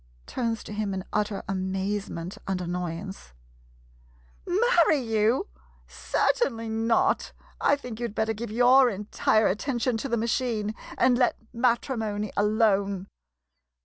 [Turns to him in utter amazement and annoyance.] Marry you ? Certainly not ! I think you 'd better give your entire attention to the ma chine and let matrimony alone.